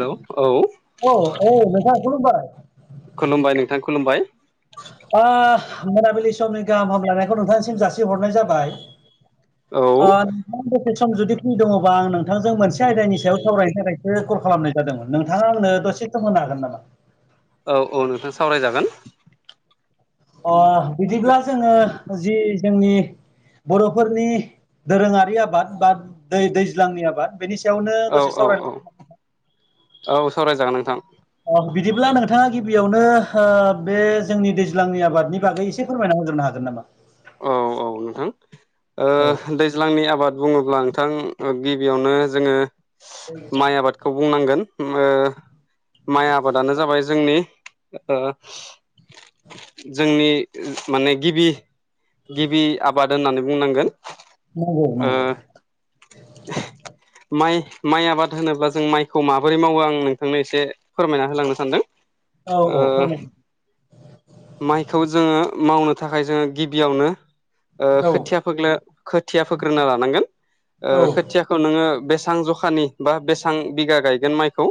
Hello औ औ औ नोंथां खुलुमबाय खुलुमबाय नोंथां खुलुमबाय ओ मोनाबिलि समनि गाहाम हामलायनायखौ नोंथांसिम जासिहरनाय जाबाय औ अ नोंथाङा जुदि दसे सम जुदि फ्रि दङबा आं नोंथांजों मोनसे आयदानि सायाव सावरायनो थाखायसो कल खालामनाय जादोंमोन नोंथाङा आंनो दसे सम होनो हागोन नामा? औ औ नोंथां सावरायजागोन अ बिदिब्ला जोङो जि जोंनि बर'फोरनि दोरोङारि आबाद बा दै-दैज्लांनि आबाद बेनि सायावनो औ दसे औ सावरायनो औ औ सरायजागोन नोंथां अ बिदिब्ला नोंथाङा गिबियावनो ओ बे जोंनि दैज्लांनि आबादनि बागै इसे फोरमायना होग्रोनो हागोन नामा? औ औ नोंथां ओ औ दैज ज्लांनि आबाद बुङोब्ला नोंथां ओ गिबियावनो जोङो माइ आबाद खौ बुंनांगोन ओ माइ आबादानो जाबाय जोंनि ओ जोंनि माने गिबि गिबि आबाद होननानै बुंनांगोन नंगौ नंगौ [inaudible] माइ माइ आबाद होनोब्ला जों माइखौ माबोरै मावो आं नोंथांनो एसे फोरमायना होलांनो सानदों औ औ ओ फोरमाय माइखौ जोङो मावनो थाखाय जोङो गिबियावनो ओ औ खोथिया फोगलो खोथिया फोग्रोना लानांगोन ओ औ खोथिया खौ नोङो बेसां जखानि बा बेसेबां बिगा गायगोन माइखौ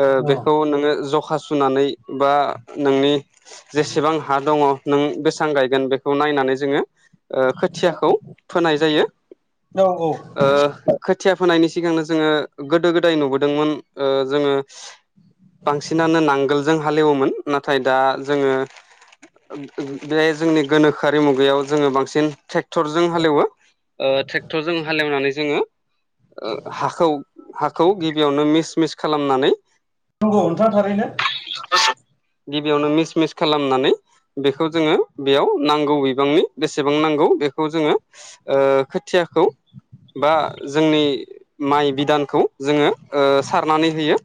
ओ औ बेखौ नोङो जखा सुनानै बा नोंनि जेसेबां हा दङ नों बेसेबां गायगोन बेखौ नायनानै जोङो ओ खोथियाखौ फोनाय जायो औ ओ खोथिया फोनायनि सिगांनो जोङो गोदो गोदाय नुबोदोंमोन ओ जोङो बांसिनानो नांगोलजों हालेवोमोन नाथाय दा जोङो ओं ओं बेहाय जोंनि गोनोखोआरि मुगायाव जोङो बांसिन ट्रेक क्टरजों हालेवो ओ ट्रेक्टरजों हालेवनानै जोङो ओ हाखौ हाखौ गिबियावनो मिस मिस खालामनानै नंगौ नोंथां थारैनो गिबियावनो मिस मिस खालामनानै बेखौ जोङो बेयाव नांगौ बिबांनि बेसेबां नांगौ बेखौ जोङो ओ खोथियाखौ बा जोंनि माइ बिदानखौ जोङो ओ सारनानै होयो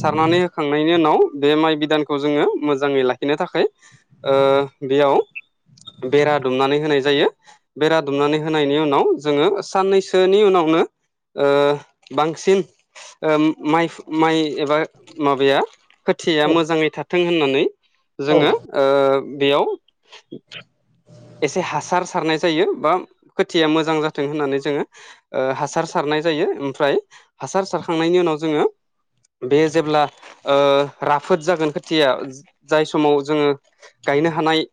सारनानै होखांनायनि उनाव बे माइ बिदानखौ जोङो मोजाङै लाखिनो थाखाय बेयाव बेरा दुमनानै होनाय जायो बेरा दुमनानै होनायनि उनाव जोङो साननैसोनि उनावनो ओ बांसिन ओ माइ माइ एबा माबाया खोथिया औ मोजाङै थाथों होननानै औ जोङो ओ बेयाव एसे हासार सारनाय जायो बा खोथिया मोजां जाथों होननानै जोङो ओ हासार सारनाय जायो ओमफ्राय हासार सारखांनायनि उनाव जोङो बे जेब्ला ओ राफोद जागोन खोथिया जाय समाव जोङो गायनो हानाय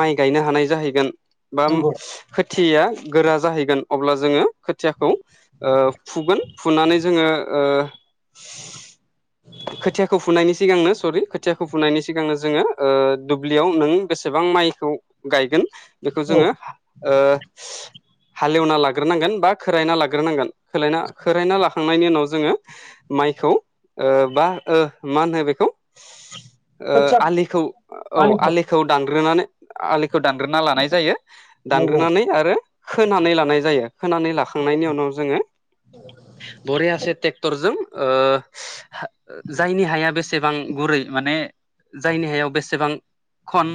माइ गायनो हानाय जाहैगोन बा नंगौ खोथियाया गोरा जाहैगोन अब्ला जोङो खोथियाखौ ओ फुगोन फुनानै जोङो ओ [inaudible] खोथियाखौ फुनायनि सिगांनो सरि खोथियाखौ फुनायनि सिगांनो जोङो ओ दुब्लियाव नों बेसेबां माइखौ गायगोन बेखौ औ जोङो ओ हालेवना लाग्रोनांगोन बा खोरायना लाग्रोनांगोन खोलना खायना ला खांनायनि उनाव जोङो माइखौ ओ बा ओ मा होनो बेखौ ओ खोथिया आलिखौ औ आलिखौ दानग्रोनानै आलि खौ दानग्रोना लानाय जायो नंगौ दानग्रोनानै आरो खोनानै लानाय जायो खोनानै लाखांनायनि उनाव जोङो बरियासे ट्रेक्टरजों ओ जायनि हाया बेसेबां गुरै माने जायनि हायाव बेसेबां खन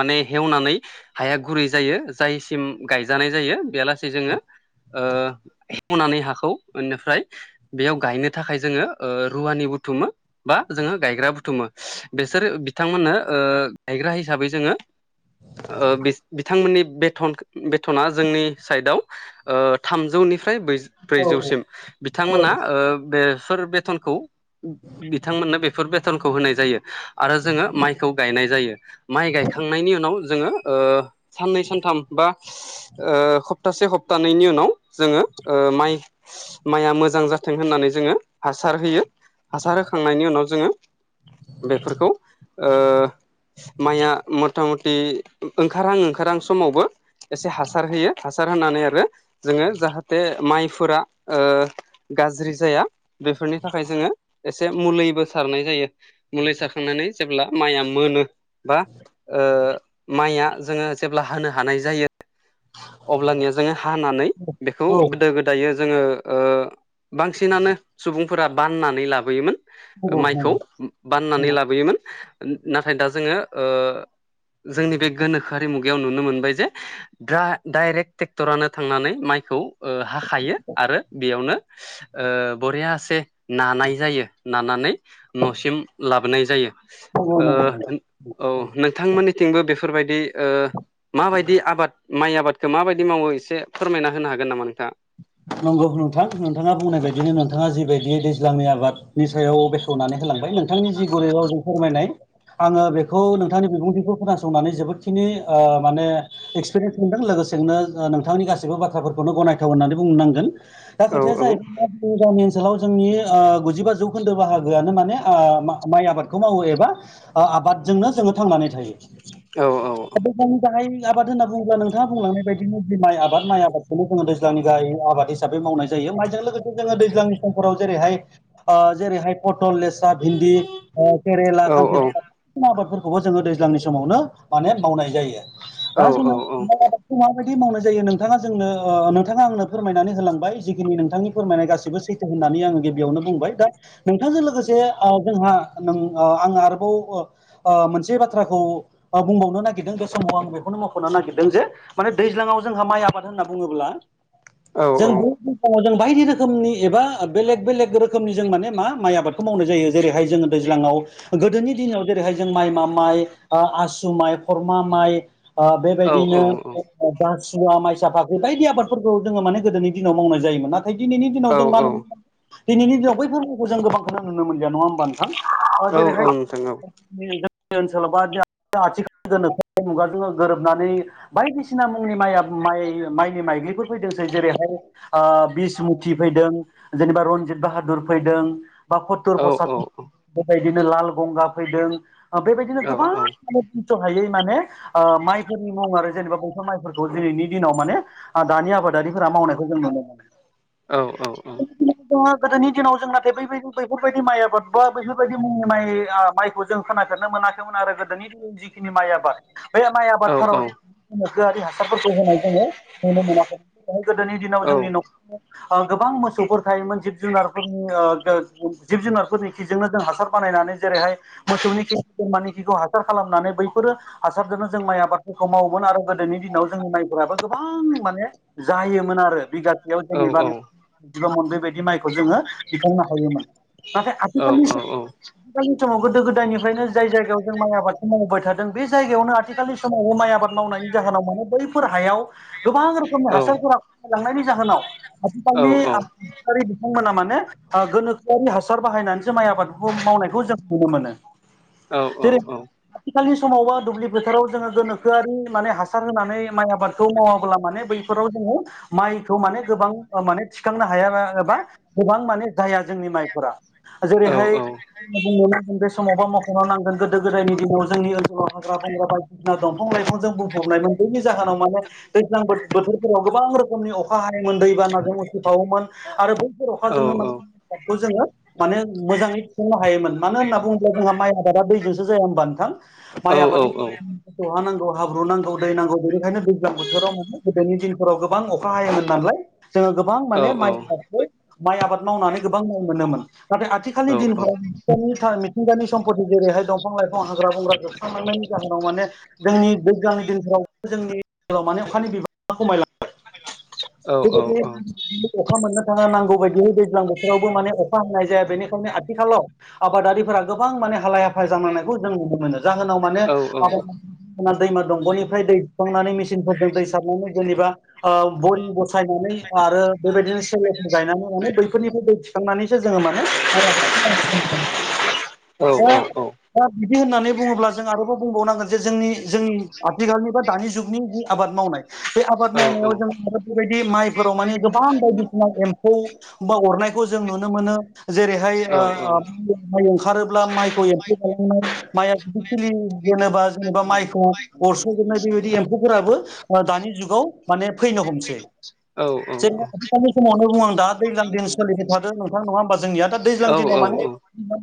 माने हेवनानै हाया गुरै जायो जायसिम गायजानाय जायो बेया लासै जोङो ओ नानै हाखौ बेनिफ्राय बेयाव गायनो थाखाय जोङो रुवानि बुथुमो बा जोङो गायग्रा बुथुमो बेसोर बिथांमोननो ओ गायग्रा हिसाबै जोङो ओ बि-बिथांमोननि बेथन बेथना जोंनि साइडआव ओ थामजौनिफ्राय बै औ ब्रैजौसिम औ औ बिथांमोना ओ बेफोर बेथनखौ बिथांमोननो बेफोर बेथनखौ होनाय जायो आरो जोङो माइखौ गायनाय जायो। माइ गायखांनायनि उनाव जोङो ओ साननै सानथाम बा ओ खप्तासे हप्तानैनि उनाव जोङो ओ माइ माइआ मोजां जाथों होननानै जोङो हासार होयो हासार होखांनायनि उनाव जोङो बेफोरखौ ओ माइया मथा मथि ओंखारहां ओंखारहां समावबो एसे हासार होयो हासार होनानै आरो जोङो जाहाथे माइफोरा ओ गाज्रि जाया बेफोरनि थाखाय जोङो एसे मुलैबो सारनाय जायो मुलै सारखांनानै जेब्ला माइया मोनो बा ओ माइया जोङो जेब्ला हानो हानाय जायो अब्लानिया जोङो हानानै बेखौ औ गोदो गोदायो जोङो ओ बांसिनानो सुबुंफोरा बाननानै लाबोयोमोन नंगौ माइखौ नंगौ बाननानै नंगौ लाबोयोमोन नाथाय दा जोङो ओ जोंनि बे गोनोखोआरि मुगा बेयाव नुनो मोनबाय जे दा डाइरेक्ट टेक्टरानो थांनानै माइखौ ओ‌‌ हाखायो आरो बेयावनो ओ बरियासे नानाय जायो नानानै नसिम लाबोनाय जायो‌ नंगौ ओ नंगौ नंगौ औ नोंथांमोननि थिंबो बेफोरबायदि ओह माबायदि आबाद माइ आबाद माबायदि मावो एसे फोरमायना होनो हागोन नामा नोंथां। नंगौ नोंथां नोंथाङा बुंनाय बायदिनो नोंथाङा जिबायदि दैज्लांनि आबादनि सायाव बेखार बुंनानै होलांबाय नोंथांनि जि गुरै रावजों फोरमायनाय आङो बेखौ नोंथांनि बिबुंथिखौ खोनासंनानै जोबोदखिनि ओ माने एक्सपिरियेन्स मोनदों लोगोसेनो जा नोंथांनि गासैबो बाथ्राफोरखौनो गनायथाव होननानै बुंनांगोन दा औ खोथाया औ जाहैबाय जोंनि गामि ओनसोलाव जोंनि ओ‌ गुजिबा जौखोन्दो बाहागोआनो माने ओ माइ आबादखौ मावो एबा आ आबादजोंनो जोङो थांनानै थायो। औ। औ दैज्लांनि गाहाय आबाद होनना बुङोब्ला नोंथाङा बुंलांनाय बायदिनो जि माइ आबाद माइ आबादखौनो जोङो दैज्लांनि गाहाय आबाद हिसाबै मावनाय जायो माइजों लोगोसे जोङो दैज्लांनि समफोराव जेरैहाय ओ जेरैहाय पटल लेस्रा भिन्दि ओ केरेला औ खांख्रिखला आबादफोरखौबो जोङो दैज्लांनि समावनो माने मावनाय जायो औ दा जोङो आबाद खौ माबायदि मावनाय जायो नोंथाङा जोंनो ओ नोंथाङा आंनो फोरमायनानै होलांबाय जिखिनि नोंथांनि फोरमायनाय गासिबो सैथो होननानै आङो गिबियावनो बुंबाय दा नोंथांजों लोगोसे आ जोंहा नों ओ आं आरोबाव ओ मोनसे बाथ्राखौ ओ बुंबावनो नागिरदों बे समाव आं बेखौनो मखनो नागिरदों जे माने दैज्लाङाव जोंहा माइ आबाद होनना बुङोब्ला जों [unintelligible] समाव जों बायदि रोखोमनि एबा बेलेग बेलेग रोखोमनि जों माने मा माइ आबादखौ मावनाय जायो जेरैहाय जोङो दैज्लाङाव गोदोनि दिनाव जेरैहाय जों माइ मा माइ आसु माइ खरमा माइ आ बेबायदिनो औ दारसुंवा माइसा फाख्रि बायदि आबादफोर फोरखौ जोङो माने गोदोनि दिनाव मावनाय जायोमोन नाथाय दिनैनि दिनाव जों मा नु औ दिनैनि दिनाव बै फोरबोखौ जों गोबांखौनो नुनो मोनलिया नङा होमबा नोंथां औ औ जेरैहाय नोंथां जोंनि ओनसोलाव बा आथिखाल गोनोखो मुगाजों गोरोबनानै बायदिसिना मुंनि माइया आब माइ माइनि माइदलिफोरखौ फैदोंसै जेरैहाय ओ बिसमुथि फैदों जेनेबा रनजित बाहादुर फैदों बा खत्तुर औ औ औ पसात्तुर बेबायदिनो लाल गंगा फैदों ओ बेबायदिनो औ गोबां औ थिस हायै माने ओ माइफोरनि मुं आरो जेनेबा बबेबा माइफोरखौ दिनैनि दिनाव माने आ दानि आबादारिफोरा मावनायखौ जों नुनो मोनो। औ औ औ। जोङो गोदोनि दिनाव जों नाथाय बैबायदि बैफोरबायदि माइ आबाद बा बेैफोरबायदि मुंनि माइ आ माइखौ जों खोनाफेरनो मोनाखैमोन आरो गोदोनि जिखिनि माइ आबाद बे माइ आबादफोराव जों गोनोखोआरि हासारफोरखौ होनाय जोङो नुनो मोनाखै नाय गोदोनि दिनाव जोंनि नखर ओ गोबां मोसौफोर थायोमोन जिब जुनारफोरनि ओ जिब जुनारफोरनि खिजोंनो जों हासार बानायनानै जेरैहाय मोसौनि खि बोरमानि खिखौ हासार खालामनानै बैफोरो हासारजोंनो जों माइ आबादफोरखौ मावोमोन आरो गोदोनि दिनाव जोंनि माइफोराबो गोबां माने जायोमोन आरो बिगासेयाव जेनेबा बिबामोन बेबायदि माइखौ जोङो दिखांनो हायोमोन नाथाय आथिखालनि सो आथिखाललि समाव गोदो गोदायनिफ्रायनो जाय जायगायाव जों माइ आबादखौ मावबाय थादों बे जायगायावनो आथि खालनि समाव माइ आबाद मावनायनि जाहोनाव माने बैफोर हायाव गोबां समनि हासारफोरा खमिलांनायनि जाहोनाव [unintelligible] बिथांमोना माने गोनोखोआरि हासार बाहायनानैसो माइ आबाद मावनायखौ जों नुनो मोनो। औ औ जेरै औ आथिखालनि समावबा दुब्लि फोथाराव जोङो गोनोखोआरि माने हासार होनानै माइ आबादखौ मावा खला माने बै फोराव जोङो माइखौ माने गोबां माने थिखांनो हाया एबा गोबां माने जाया जोंनि माइफोरा जेरैहाय बुंनो नांगोन बे समावबा मा खालाम नांगोन गोदो-गोदायनि दिनाव जोंनि ओनसोलाव हाग्रा बंग्रा बायदि दंफां लाइफांजों बुंफबनायमोन बैनि जाहोनाव माने दैज्लां बो थोरफोराव गोबां रोखोमनि अखा हायोमोन दैबानाजों उसिफावोमोन आरो बैफोर अखाजोंनो माने [unintelligible] जोङो माने मोजाङै थुफुंनो हायोमोन। मानो होनना बुङोब्ला जोंहा माइ आबादा दैजोंसो जाया होनबा नोंथां माइ आबादनि जहा नांगौ हाब्रु नांगौ दै नांगौ बेनिखायनो दैज्लां बोथोराव माने गोदोनि दिनफोराव गोबां अखा हायोमोन नालाय जोङो गोबां माने माइ माइ आबाद मावनानै गोबां माइ मोनोमोन नाथाय आथिखालनि दिनफोराव फुखानि मिथिंगानि सम्पति जेरैहाय दंफां-लाइफां हाग्रा बंग्रा जोबस्रांनायनि जाहोनाव माने जोंनि दैज्लांनि दिनफोराव जोंनि ओनसोलाव माने अखानि बिबां खमायलाङो [unintelligible] अखा मोननो थाङा नांगौ बायदि दैज्लां बोथोरावबो माने अखा हाय जाया बेनिखायनो आथिखालाव आबादारिफोरा गोबां माने हालाय हाफाय जानांनायखौ जों नुनो मोनो जाहोनाव मानो आबाद दैमा दंगनिफ्राय दै दिखांनानै मेसिनफोरजों दै सारनानै जेनेबा ओ बरि बसायनानै आरो बेबायदिनो सेलेरफोर गायनानै माने बैफोरनिफ्राय दै सांनानैसो जोङो माने [unintelligible] औ औ दा औ दा बिदि होननानै बुङोब्ला जों आरोबाव बुंबावनांगोन जे जोंनि जोंनि आथिखालनि बा दानि जुगनि जि आबाद मावनाय बे आबाद मावनायाव जों बेबायदि माइफोराव माने गोबां बायदिसिना एम्फौ होमबा अरनायखौ जों नुनो मोनो। जेरैहाय ओ माइ ओंखारोब्ला माइखौ एम्फौ जालांनाय माइआ बिदि खिलि जेनेबा जेनेबा माइखौ अरस जोबनाय बेबायदि एम्फौफोराबो दानि जुगाव माने फैनो हमसै औ औ जों आथिखालनि समावनो बुङ आं दा दैज्लां दिन सोलिबाय थादों नोंथां नङा होमबा जोंनिया दा दैज्लां दिनाव माने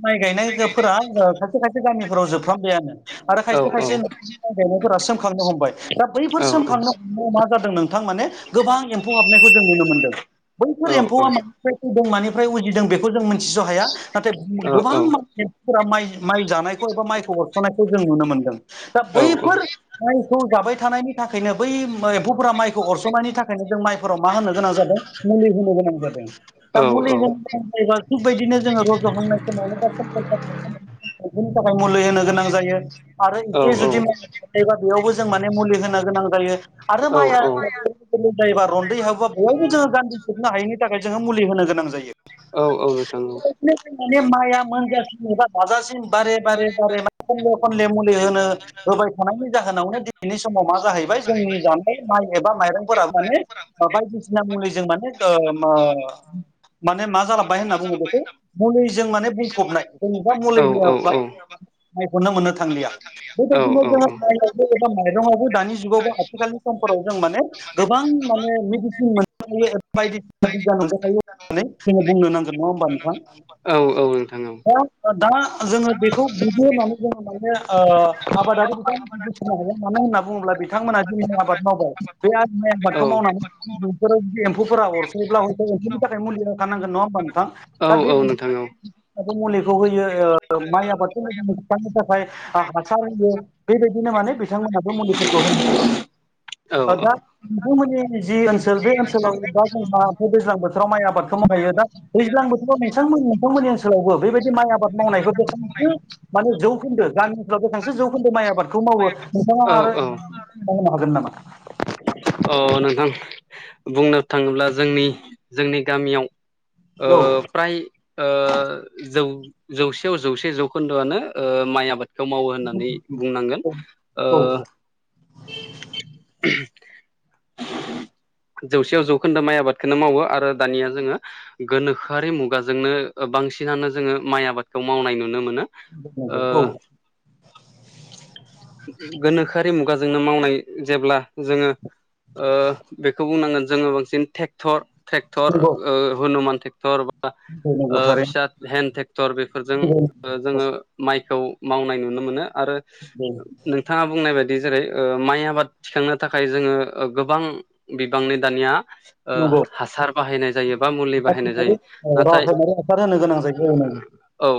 माइ गायनायफोजोरा ओ खायसे खायसे गामिफोराव जोबफ्रांबायआनो आरो खायसे खायसे नखरनि गायनायफोरा सोमखांनो हमबाय दा बैफोर सोम खांनाय हनायाव मा जादों नोंथां माने गोबां एम्फौ हाबनायखौ जों नुनो मोनदों। बैफोर एम्फौआ मानिफ्राय फैदों मानिफ्राय उजिदों बेखौ जों मिथिस हाया नाथाय गोबां माइ एम्फौफोरा माइ माइ जानायखौ एबा माइखौ अरसनायखौ जों नुनो मोनदों। दा बैफोर रायखौ जाबाय थानायनि था खायनो बै एम्फौफोरा माइखौ अरसननायनि थाखायनो जों माइफोराव मा होनो गोनां जादों मुलि होनो गोनां जादों। दा मुलि होन जायोबा थिगबायदिनो जोङो रजहोनांनाय समाव बा [unintelligible] फोरनि थाखाय मुलि होनो गोनां जायो आरो एसे जुदि नाथायबा बेयावबो जों माने मुलि होनो गोनां जायो। आरो माइया गोलोम जायोबा रन्दै हाबोबा बयबो जोङो गान्दि सोबनो हायैनि थाखाय जोङो मुलि होनो गोनां जायो। औ औ नोंथां। बे बायदिनो जों माइया मोनजासिम एबा दाजासिम बारे बारे बारे मे खनले खनले मुलि होनो होबाय थानायनि जाहोनावनो दिनैनि समाव मा जाहैबाय जोंनि जानाय माइ एबा माइरंफोरा माने बायदिसिना मुलिजों माने दो मो माने मा जालाबबाय होनना बुङो बेखौ मुलिजों माने बुंफबनाय जेनेबा औ मुलि औ होयाबा माइखौनो मोननो थांलिया बेबायदिनो जोङो माइआवबो एबा माइरङआवबो दानि जुगाव आथिखालनि समफोराव जों माने गोबां माने मेडिसिन मोननो हायो बायदिसिना जानाबो थायो। नै जों बुंनो नांगोन नङा होनबा नोंथां। औ औ नोंथां औ दा- दा जोङो बेखौ बिदि होननानै जोङो माने आबादारि बिथांमोन मानो होनना बुङोब्ला बि बिथांमोना जि माइ आबाद मावबाय बे माइ आबादखौ मावनानै फोर जि एम्फौफोरा अर जेब्ला थाखाय मुलि होखानांगोन नङा होनबा नोंथां औ -औ नोंथां औ दाथ' मुलिखौ होयो ओ माइ आबादखौ थाखाय हासार होयो बेबायदिनो माने बिथांमोनाबो मुलिफोरखौ होनो औ दा नोंथांमोननि जि ओनसोल बे ओनसोलाव दा जोंहा दैज्लां बोथोराव माइ आबादखौ मावहायो दा दैज्लां बोथोराव नोंथांमोन -नोंथांमोननि ओनसोलावबो बेबायदि माइ आबाद मावनायखौ माने जौखोन्दो गामि ओनसोलाव बांसो जौखोन्दो माइ आबादखौ मावो नोंथाङा औ आरो औ नो हागोन नामा औ नोंथां बुंनो थाङोब्ला जोंनि -जोंनि गामियाव ओ औ फ्राय ओ जौ -जौसेयाव जौसे जौखोन्दोआनो ओ माइ आबाद बेखौ मावो होननानै बुंनांगोन ओ औ औ जौसेयाव जौखोन्दो माइ आबादखौनो मावो आरो दानिया जोङो गोनोखोआरि मुगाजोंनो बांसिनानो जोङो माइ आबादखौ मावनाय नुनो मोनो ओ नंगौ औ गोनोखोरि मुगा जोंनो मावनाय जेब्ला जोङो ओ बेखौ बुंनांगोन जोङो बांसिन थेक टर ट्रेक्टर नंगौ ओ हनुमान ट्रेक्टर ओ नंगौ फिसा थारैनो हेन्दड ट्रेक्टर बेफोरजों नंगौ जोङो माइखौ मावनाय नुनो मोनो आरो उ नोंथाङा बुंनाय बायदि जेरै ओ माइ आबाद थिखांनो थाखाय जोङो गोबां बिबांनि दानिया ओ नंगौ हासार बाहायनाय जायो बा मुलि बाहायनाय जायो नाथाय रासायनारि हासार होनो गोनां जायो औ नंगौ औ